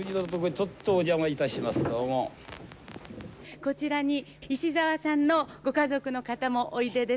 こちらに石沢さんのご家族の方もおいでです。